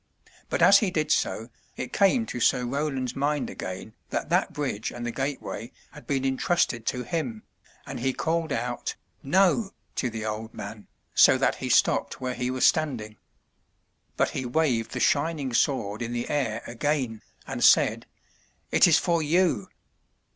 But as he did so, it came to Sir Roland's mind again that that bridge and the gateway had been intrusted to him, and he called out "No!" to the old man, ^'*^^''^^ so that he stopped where he was stand ing. But he waved the shining sword in the air again, and said: "It is for you!